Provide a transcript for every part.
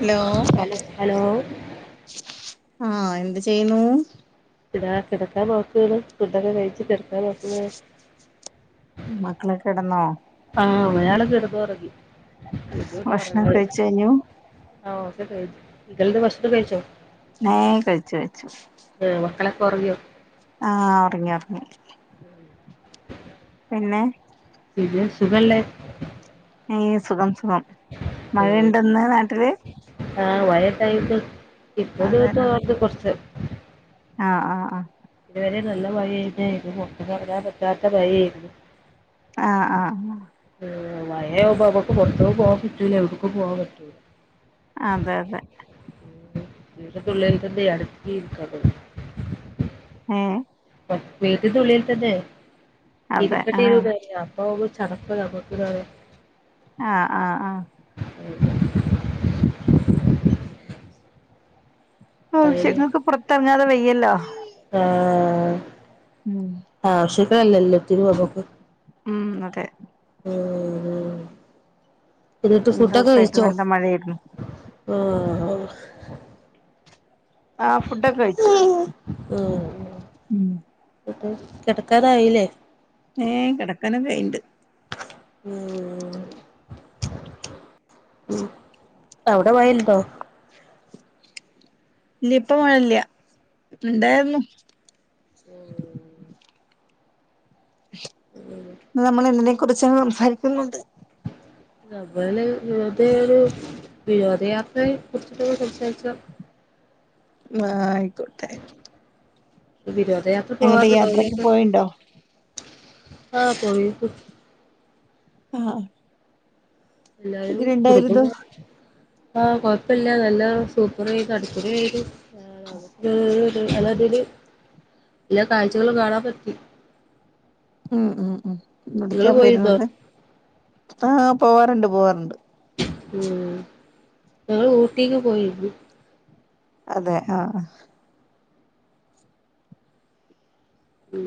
Hello hello hello ആഹ് എന്ത് ചെയ്യുന്നൂ പ്പതാ കെടക്കാൻ നോക്കാണ് ഫുഡ്ഡൊക്കെ കഴിച്ച് കെട്ക്കാൻ നോക്കാണ് മക്കളൊക്കെടന്നോ? ആഹഒരാൾ കിടന്നുറങ്ങി ഇഞ്ഞു ഭക്ഷണം കഴിച്ചു [unintelligible] കഴിഞ്ഞു ആഹ ഒക്കെ കഴിഞ്ഞു ഇങ്ങൾ ഭക്ഷണം കഴിച്ചോ? ഹേ കഴിച്ചു കഴച്ചു. എ മക്കളൊക്കെ ഉറങ്ങിയോ? ആഹ ഒറങ്ങി ഒറങ്ങി ഉം പിന്നെ പിന്നെ സുഖല്ലേ ഏ സുഖം സുഖം മഴയുണ്ടെന്ന് നാട്ടില് ആ് [unintelligible] ഇപ്പ അതന്നെ തോർന്ന് കൊറച്ച് ആഹ് ആഹ് ആ ഇതുവരെ നല്ല മഴര്ന്ന് ഒന്ന് പുറത്ത്ക്ക്എറങ്ങാൻ പറ്റാത്ത മഴര്ന്ന്. ആഹ് ആഹ് ആ മഴ ആവുമ്പോ അമക്ക് പുറത്തക്ക് പോവാൻ പറ്റൂല എവിടക്കും പോവാൻ പറ്റൂല. അതെ അതെ ഇവിടെ പിള്ളാരൊക്കെ അടക്കി [inaudible] ഹേ വീട്ടിനുള്ളിൽ തന്നെ അതെ ഇരുക്കട്ടി ആഹ് രുന്നു ഓതാവുമ്പോ ചടക്കും ഞമ്മക് ന്നറിയ ആഹ് ആഹ് ആഹ് ഒ അയിന് ആഹ്ശേരി ങ്ങ്ക് പുറത്തിറങ്ങാതെ വെയ്യല്ലോ ആഹ് മ് ആവിശ്യങ്ങളെ എല്ലാത്തിനും നമ്മക്. മ് അതെ മ് മ് ന്നിട്ട് രണ്ട് ഫുഡൊക്കെ ദിവസായിട്ട് കഴിച്ചോ? നല്ല മഴയായിരുന്നു ആഹ് [inaudible] ആ ഫുഡൊക്കെ കഴിച്ചു. മ് ഇട്ട് കിടക്കാനായില്ലേ? ഏ കെട്ക്കാനൊക്കായിണ്ട്. ഉം മ് ഔടെ മഴണ്ടോ? ഇല്ല്യഇപ്പ മഴല്ല ണ്ടയിരുന്നു. ഉം ന്ന് നമ്മൾ എതിനെ കുറിച്ച സംസാരിക്കുന്നുത്. നമൾവെറുതെരു വിനോദയാത്രയെ കുറിച്ചിട്ടെ സംസാരിച്ച. ആ ആയിക്കോട്ടെ. വിനോദയാത്ര എങ്ങോട്ട് പോവാറുണ്ടോ യാത്രക്ക് എങ്ങട്ടാ പോയിണ്ടോ ആഹ് പോയിരുന്നു ആഹ് എല്ലരും എങ്ങനെണ്ടായിരുന്നു കുടുംബകാരെലല്ലാരും ആഹ കൊഴപ്പല്ല നല്ല സൂപ്പർനു [unintelligible] നല്ലതില് എല്ലാ കാഴ്ചകളും കാണാൻ പറ്റി. ഉം ഉം ഉ നിങ്ങള് വിടൃക്യ പോയിരുന്നോ പോയിരുന്നത് ആ പോവാറുണ്ട് പോവാറുണ്ട്. മ് ഞങ്ങള് ഊട്ടിക്ക് പോയിരുന്നു. അതെ ആഹ് ഉ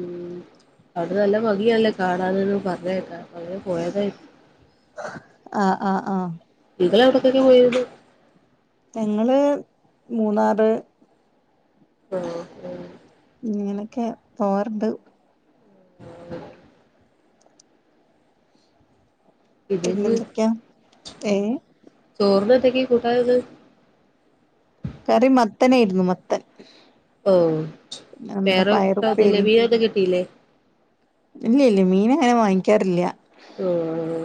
അടെനല്ല ഭംഗി യാലേ കാണാൻന്ന് പറഞ്ഞ കേക അങ്ങനെപോയതായിരുന്നു പോയതായി ആഹ ആഹ് ആഹ് നിങ്ങളൾ എവിട്ക്കെ പോയിരുന്നു ഞങ്ങള്ൾ മൂന്നാറ്. ആഹ് ഇങ്ങനെയൊക്കെ പോവറട് [inaudible] പിന്നെ ഇതക്ക് എന്ത് ഒക്കെയാ ഏ ചോറിന് എന്ത് ഒക്കെ കൂട്ടാന് ഇന്ന്. കറി മത്തനായിരുന്നു മത്തൻ. ഓ നമ്മുടെ വേറെ വന്നില്ലേ പയറുപ്പേരി മീൻ ഒന്നും കെട്ടില്ലേ? ഇല്ല ഇല്ല മീൻ അങ്ങനെ വാങ്ങിക്കാറില്ല. ഓഹ്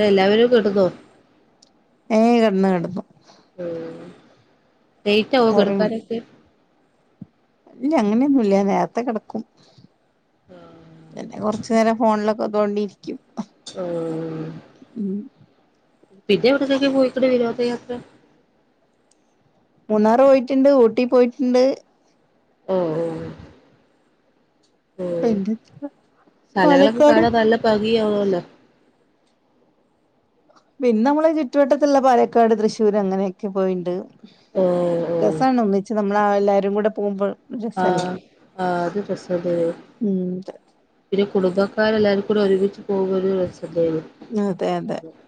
ഉ എല്ലാവരും കിട്ടന്നോ? ഏയ് കിടന്നു കിടന്നു. ഉം ലേറ്റ് അവോ അവരും കിടക്കാൻ ഒക്കെ ഇല്ല അങ്ങനെ ഒന്നും ഇല്ല നേരത്തെ കിടക്കും പിന്നെ കൊറച്ച് നേരം ഫോണില് ഒക്കെ തോണ്ടിയിരിക്കും ആഹ് ഉം പിന്നെ എവിടെകൊക്കേയാ പോയിരിക്കണെ വിനോദ യാത്ര മൂന്നാർ പോയിട്ടുണ്ട് ഊട്ടി പോയിട്ടുണ്ട് ഒ ഓ ഓ പിന്നെ സ്ഥലങ്ങള് ഒക്കെ പാലക്കാട് കാണാൻ നല്ല ഭംഗി കാണു അല്ലോ പിന്നെ നമ്മള ചുറ്റുവട്ടത്തുള്ള പാലക്കാട് തൃശ്ശൂര് അങ്ങനെ ഒക്കെ പോയിണ്ട് ഓഹ് ഓഹ് രസാണ് ഒന്നിച്ച് നമ്മള എല്ലാരും കുടെ പോമ്പ ആഹ് ആഹ് അത് രസോണ്ടേയൊ ഉം പിന്നെ കുടുംബക്കാര് എല്ലാരും കൂടെ ഒരുമിച്ച് പോക്കുന്നോരു രസാന്നെ ആണ് അതെ അതെ ഉ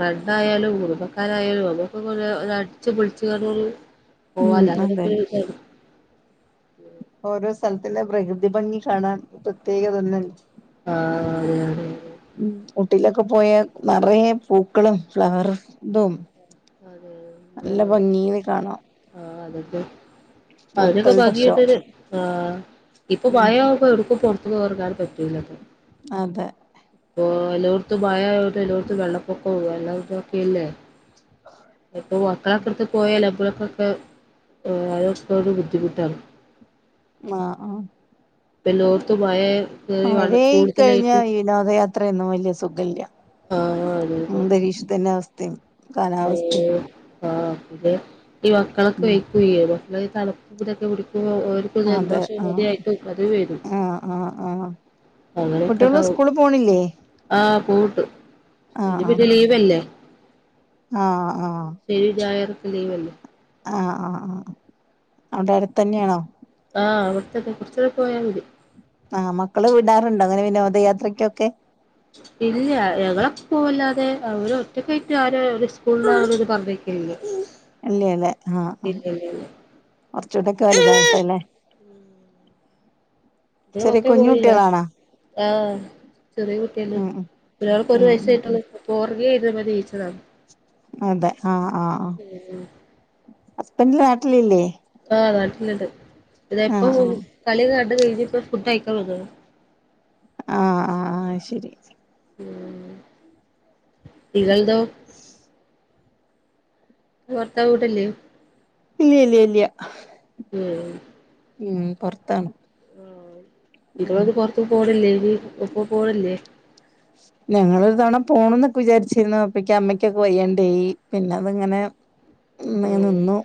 പണ്ടായാലും കുടുംബക്കാര് ആയാലും നമ്മുക്കുകൂടെ ഒന്ന് അടിച്ചു പൊളിച്ച് കൊണ്ട് ഒരു ഓ ഉം അതെ അല്ലതൊടെക്കെ ഇരിക്ക ആരുന്നു പിന്നെ ഓരോ സ്ഥലത്തിലെ പ്രകൃതി ഭംഗി കാണാൻ പ്രത്യേകത ഒന്ന് ആഹ് ഉം ഊട്ടില് ഒക്കെ പോയ നറയേ പൂക്കളും ഫ്ലവർ ഇടും അതെ നല്ല ഭംഗിൽ കാണാം ആ അതതെ അതിന് ഒക്കെ പൂക്കളുടെ ഭംഗി ഷോ ഒണ്ട്ഒര് ആ ഇപ്പൊ ഉം മഴകുമ്പോ എടുക്കുപൊ ഇനി ഒറങ്ങാനും പറ്റൂല്ല അപ്പം അതെ ഇപ്പൊ എല്ലായിടത്തും മഴ ആയത് കൊണ്ട് എല്ലോടത്തും വെള്ള പൊക്കം വെള്ളോത്ക്കെ അല്ലെ എപ്പോഴും മക്കളക്കടുത്ത് പോയല് എപ്പഴും എപ്പഴും ഒക്കെ പോയാലും ഒരു ബുദ്ധിമുട്ടാണ് മാ ആഹ് ബലോർത്ത്മായെ മഴ ആയി കഴിഞ്ഞ വി വിനോദ യാത്ര ഒന്നും വലിയ സുഖില്ല ആഹ് അതെ അതെ അന്തരീക്ഷത്തിന്റെ അവസ്ഥയും കാലാവസ്ഥയും ആ പിന്നെ ഈ മക്കളൊക്കെ ഉം വയ്ക്ക വിയർക്കിയാലെ തണുപ്പ് ഇതൊക്കെ പിടിക്കും ഓല് അതെ ആഹ് ആഹ് ആഹ് ആഹ് കുട്ടികള് സ്കൂളി പോണില്ലേ ആ പുട്ട് ആഹ് ആഹ് ആഹ് ആഹ് ശനി ഞായാറൊക്കെ ലിവ് അല്ലേ ആഹ് ആഹ് ആഹ് അവിടെ അടുത്ത് തന്നെആണോ ആഹ് അവിടുത്തെക്കെ കൊറച്ചൂടെ പോയാ മതി ആ മക്കള് വിടാറുണ്ടോ അങ്ങനെ വിനോദയാത്രക്കൊക്കെ. ഇല്ല ഞങ്ങളക്ക്‌ പോവല്ലാതെ അവര് ഒറ്റക്കായിട്ട് ആരെ ഒര് സ്കൂളത് പറഞ്ഞേക്കാ ത്തില്ലാ അല്ലേ അല്ലേ ആഹ് ആഹ് കൊറച്ചുടൊക്കെ വലുതാവട്ടെല്ലേ? ഉം അവളു ചെറിയ പക്കെ കുഞ്ഞു പോലിലാഷ് കുട്ടികളാണോ ആഹ് ചെറിയ കുട്ടിയല്ലേ ഉം ഉം ഒരാൾക്ക് ഒരു ഉം ഉം വയസായിട്ടൊള്ളു ഇപ്പൊ പോർഗെ ഇരുന്നു പതി ജയിച്ചതാണ് അതെ ആഹ് ആഹ്. ഏഹ് ഹസ്ബന്റ് നാട്ടിലില്ലേ? ആഹ് നാട്ട്ല്ണ്ട് ആഹ് ഇതെപ്പം ആഹ് ഓല് കളി കണ്ട് കഴിഞ്ഞ്പ്പം ഫുഡഴിക്കാൻ വന്നതാ ആഹ് ആഹ് അത് ശെരി. ഉം നിങ്ങള്തോ? ഭർത്താവ് ഇവടെല്ലേ? ഇല്ലില്ലില്ല്യ ഉം ഉം പൊറത്താണ് ആഹ് ഉം നിങ്ങളൊന്നും പൊറത്ത് പോണില്ലേനി ഒപ്പം പോണില്ലേ? ഞങ്ങളൊരു തവണ പോണന്നൊക്കെ വിചാരിച്ചിരുന്നു അപ്പെയ്ക്ക് അമ്മയ്ക്കോക്കെ വയ്യാണ്ടായി പിന്നത്ങ്ങനെ മ്മേ ആഹ് നിന്നു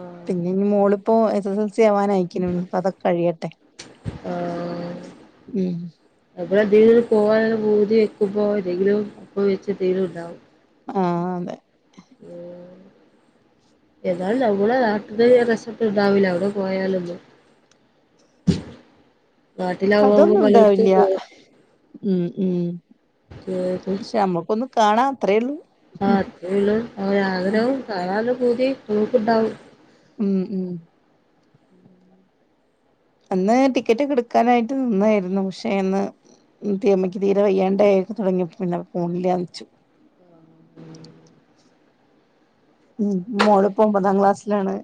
ആഹ് പിന്നെഞ്ഞ് മോള്പ്പോ എസ് എസ് എൽ സി ആവാനായി. ക്ക്‌ണു ഇനിപ്പതൊക്കെ കഴിയട്ടെ ആഹ് ഉം നമ്മളെന്തെങ്കിലും പോവാന് പൂതി വെക്കുമ്പോ എന്തെങ്കിലും അപ്പം വെച്ച് എന്തേലുണ്ടാവും. ആഹ് അതെ. [unintelligible] എന്നാലും നമ്മളെ നാട്ട്ത്തെ രസക്കെണ്ടാവൂല അവടെ പോയാലൊന്നും. നാട്ടിലാവുമ്പമ്മക്ക് അതൊന്നും പലേട്ത്തും ഉണ്ടാവില്ല പോവാ. ഉം ഉം ഉം ക്ഷേ നമ്മക്കൊന്ന് കാണാം അത്രേള്ളൂ. ആഹ് അത്രേള്ളൂ [unintelligible] കാണാനൊരു പൂതി നമുക്കുണ്ടാവും. ഉം ഉം അന്ന് ടിക്കറ്റൊക്കെട്ക്കാനായിട്ട് നിന്നെരുന്നു പക്ഷേ അന്ന് ഉം തീ അമ്മയ്ക്ക് തീരെ വയ്യാണ്ടായൊക്കെ തൊടങ്ങിയപ്പോ പിന്നെ പോണില്ലാന്നെച്ചു ഉം മോള്പ്പോ ഒമ്പതാം ക്ലാസ്സിലാണ്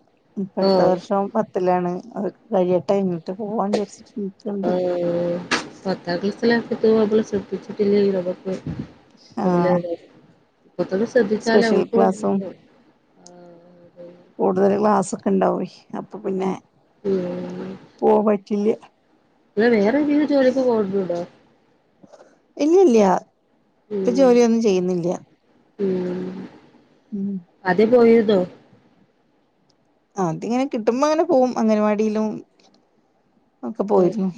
ഇപ്പടുത്ത ഓഹ് വർഷം പ ത്തിലാണ് അതൊക്കെ കഴിയട്ടെ ഇന്നെട്ട് പോവാചാരിച്ച് ആഹ് പത്താം ക്ലാസ്സിലാക്കിട്ട് നമ്മള് ശ്രദ്ധിച്ചിട്ടില്ലേ നമ്മക്ക് ആഹ് ഓലവിടെ ഇപ്പത്തന്നെ സ്പെഷ്യൽ ശ്രദ്ധിച്ചാലവക്കും ക്ലാസ്സും കൂടുതല് ക്ലാസ്സൊക്കെണ്ടാവേ അപ്പൊ പിന്നെ ഉം പോവാപറ്റില്ല. ഇങ്ങള് വേറെന്തേലും ജോലിക്ക്‌ പോവ്ന്നുണ്ടോ? ഇല്ലില്ല്യ ഇപ്പ ഉം ജോലിയൊന്നും ചെയ്യ്ന്നില്ല. ഉം ഉം ആദ്യം പോയിരുന്നോ? ആദ്യങ്ങനെ കിട്ടുമ്പങ്ങനെ പോവും അംഗനവാടിലും ഒക്ക പോയിരുന്നു.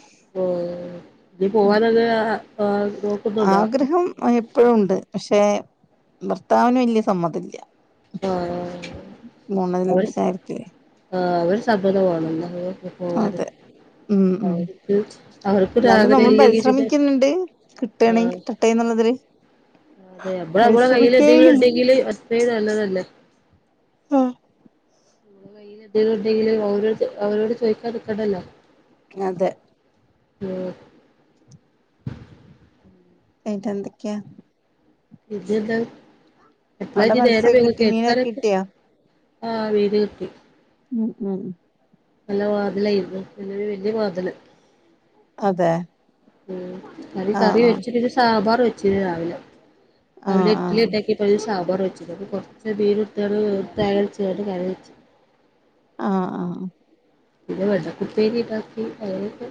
ഓഹ് ഇനി പോവാനുള്ളെ ആ ആഗ്രഹം എപ്പഴുണ്ട് പക്ഷേ ഭർത്താവിന് വെല്ല്യ സമ്മതല്ല്യ ആഹ് അവര് [unintelligible] ആഹ് അവരെ സമ്മതം വേണം [unintelligible] പോവാന്. അതെ ഉം ഉം അവർക്ക് അവർക്കൊരു ഇന്നാലും ആഗ്രഹം നമ്മളും ഇല്ലെങ്കി പിന്നെ പരിശ്രമിക്ക്‌ന്ന്ണ്ട് കിട്ടാണെങ്കി ആഹ് കിട്ട ട്ടെന്ന്ള്ളതില്. അതെ നമ്മള് ഞമ്മളെ കയ്യില് എന്തെങ്കിലും ഉണ്ടെങ്കില് അത്രേം നല്ലതല്ലെ ആഹ് പിന്നെ എന്തേലുണ്ടെങ്കില് ഓരോട് അവരോട് ചോയിക്കാൻ നിക്കണ്ടല്ലോ അതെ ഉം കഴിഞ്ഞിട്ടെ എന്തെക്ക്യാ ഇജ്ജ്താ അവിടെ എപ്പളാഞ്ഞ് നേരം മത്സ്യൊക്കെ വൈകൊ കിട്ടി മീനൊക്കെ കേട്ക്കാനൊക്കെ? കിട്ടിയോ ആഹ് [unintelligible] ഉം ഉം നല്ല വാതിലായിരുന്നു നല്ലൊരു വല്യ വാതില് അതെ ഉം കറി ആഹ് കറി ആഹ് വെച്ചിട്ടിനി സാമ്പാർ വെച്ചിനി രാവിലെ രാവിലെ ആഹ് ഇഡലി ആഹ് എണ്ടാക്കീ ല് സാമ്പാർ വെച്ചിന് അപ്പൊ കൊറച്ച് അതീന്ന് എടുത്താണ് തേങ്ങരച്ച്ങ്ങാണ്ട് കറി വെച്ച് ആഹ് ആഹ് പിന്നെ വെണ്ടക്കുപ്പേരി ഇണ്ടാക്കി അതന്നെ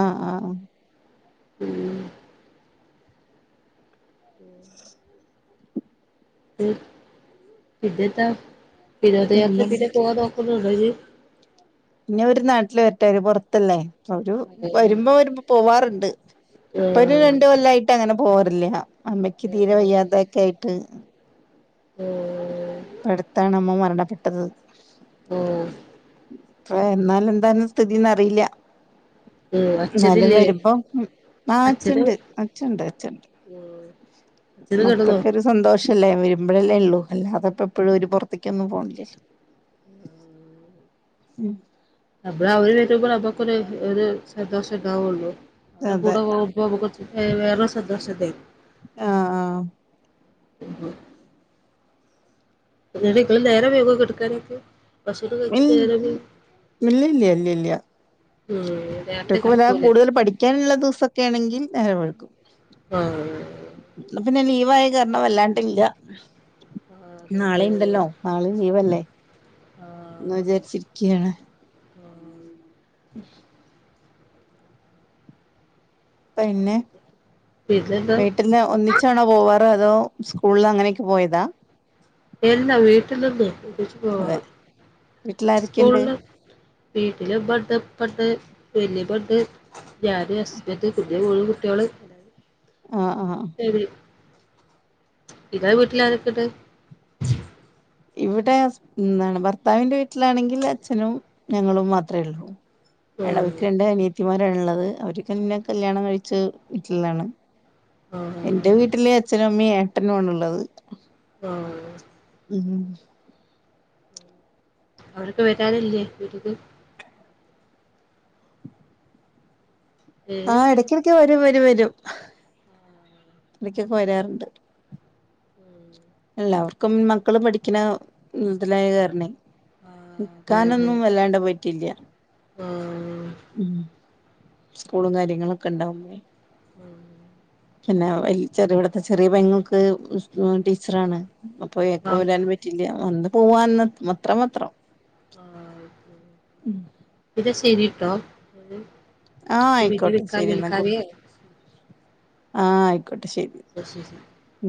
ആഹ് ആഹ് ഉം ഉം പിന്നെന്താ വിനോദയാത്രക്കൊക്കെ പിന്നെന്തൊക്കെ പോവാൻ നോക്കുന്നുണ്ടോ ഇനി പിന്ന ഒരു നാട്ടില് വരട്ടെ അവര് പുറത്തല്ലേ അവര് വരുമ്പോ വരുമ്പ പോവാറിണ്ട് ഇപ്പൊരു ആഹ് രണ്ട് കൊല്ലായി ട്ടങ്ങനെ പോവാറില്ല അമ്മയ്ക്ക് ഉം തീരെ വയ്യാതൊക്കെ ആയിട്ട് ആഹ് ഇപ്പടുത്താണ് അമ്മ മരണപ്പെട്ടത് ഓഹ് ഇപ്പ വന്നാല് എന്താന് സ്ഥിതീന്ന് അറിയില്ല ഉം എന്നാലും അച്ഛനില്ലേ വരുമ്പം ആ അച്ഛന് അച്ഛണ്ട് അച്ഛണ്ട് അച്ഛണ്ട് ഉം അച്ഛന് [unintelligible] മക്കൾക്കൊരു സന്തോഷല്ലേ വരുമ്പഴല്ലേ ഉള്ളൂ അല്ലാതെപ്പോ എപ്പഴും അവര് പൊറത്തെക്കൊന്നും പോണില്ലല്ലോ ഉം നമ്മള് അവര് വരുമ്പള് നമ്മുക്കൊരു ഒര് സന്തോഷം ഇണ്ടാവൊള്ളോ അവരെ അതെ കൂടെ പോകു [unintelligible] വേറൊരു സന്തോഷിണ്ടായ് ആഹ് ആഹ് [inaudible] എന്നട്ടിപ്പളും നേരം വൈകോ കെടക്കാനൊക്കെ ഭഷണം കഴിച്ചിട്ട് ഇല്ല നേരെ ഇനി ഇല്ലില്ല ഉം നേരത്തെ കുട്ട്യേക്ക് വല്ല കിടക്കൂലേ കൂടുതല് പഠിക്കാനുള്ള ദിവസൊക്കെ ആണെങ്കി നേരം വഴുകും ആഹ് ഇന്ന് പിന്നെ ലീവായ കാരണം വല്ലാണ്ടില്ല ആഹ് അതെ നാളെ അതെ ഇണ്ടല്ലോ നാളെ ലീവല്ലേ എന്ന് ആഹ് വിചാരിച്ചിരിക്കാണ് ആഹ് പിന്നെ പിന്നെന്താ വീട്ടില് ഒന്നി ച്ചാണോ പോവാറ് അതോ സ്കൂൾല് അങ്ങനെയൊക്കെ പോയതാ ഇല്ലാ വീട്ടിന്നിണ്ട് അതെ [unintelligible] വീട്ടിലാരൊക്കെയുണ്ട് സ്കൂളില് വീട്ടില് ഉമ്മെണ്ട് ഉപ്പെണ്ട് വെല്ലിമ്മണ്ട് ഞാന് ഹസ്ബന്റ് [unintelligible] മൂന്ന് കുട്ട്യോള് ആഹ് ആഹ് മിലി നിങ്ങളെ വീട്ടിലാരൊക്കെണ്ട് ഇവിടെസ് എന്താണ് ഭർത്താവിന്റെ വീട്ടിലാണെങ്കില് അച്ഛനും ഞങ്ങളും മാത്രേ ഉള്ളൂ [unintelligible] ഉം രണ്ട് അനിയത്തിമാരാള്ളത് അവരൊക്കെന്നെ കല്യാണം കഴിച്ച് വീട്ടിലാണ് എൻ്റെ ആഹ് വീട്ടില് അച്ഛനും അമ്മയും ഏട്ടനു ആണുള്ളത് ആഹ് ഉം അവരൊക്കെ വരാറില്ലേ വീട്ട്ക്ക് ഏഹ് ആഹ് ഇടക്കിടക്ക് വരും വരും വരും ഇടക്കൊക്കെ വരാറിണ്ട് ഉം എല്ലാവർക്കും മക്കള് പഠിക്കണ ഇതിലായ കാരണേ ആഹ് അതെ അതെ നിക്കാനൊന്നും വല്ലാണ്ട പറ്റില്ല ആഹ് ഉം സ്കൂളും കാര്യങ്ങളൊക്കെ ഇണ്ടാവുമ്പളെ ആഹ് പിന്നെ വൽ ചെറിയ ഇവിടത്തെ ചെറിയ പെങ്ങൾക്ക് ടീച്ചറാണ് അപ്പൊയക്കെ ആഹ് വരാൻ പറ്റ റ്റില്ല വന്ന് പോവാന്ന മത്ര മാത്രം. ൻ്റെ ശരിട്ടോ ഉം. ആഹ് ആയ്ക്കോട്ടെ ശരിന്നാ കു ആഹ് ആയ്ക്കോട്ടെ ശരി. അ ശരി. ഉം